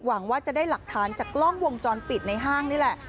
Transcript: หวังว่าจะได้หลักฐานจากกล้องวงจรปิดในห้างนี่แหละ